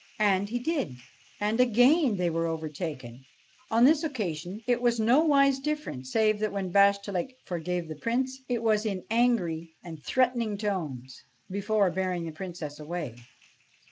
And he did. And again they were overtaken. On this occasion it was nowise different, save that when Bashtchelik forgave the Prince it was in angry and threatening tones, before bearing the Princess away.